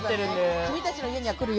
君たちの家には来るよ。